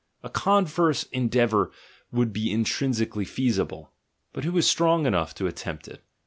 A converse endeavour would be intrinsically feasible — but who is strong enough to attempt it?